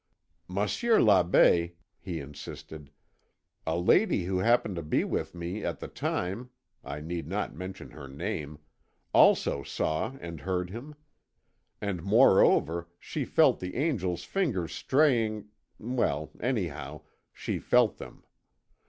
"Monsieur l'Abbé," he insisted, "a lady who happened to be with me at the time, I need not mention her name, also saw and heard him. And, moreover, she felt the angel's fingers straying ... well, anyhow, she felt them....